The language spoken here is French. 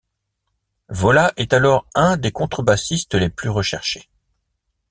Vola est alors un des contrebassistes les plus recherchés.